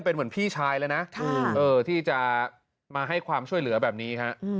เป็นเหมือนพี่ชายเลยนะที่จะมาให้ความช่วยเหลือแบบนี้ฮะ